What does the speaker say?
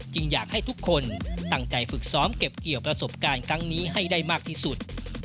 อยากให้ทุกคนตั้งใจฝึกซ้อมเก็บเกี่ยวประสบการณ์ครั้งนี้ให้ได้มากที่สุด